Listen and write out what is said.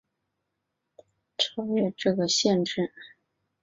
怀特黑德和其他志同道合的人想超越这个限制。